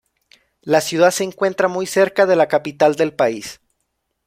La ciudad se encuentra muy cerca de la capital del país.